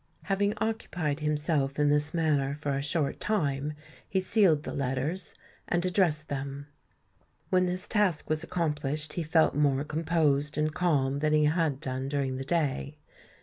Having occupied himself in this manner for a short time, he sealed the letters, and addressed them. When this task was accomplished, he felt more composed and calm than he had done during the day.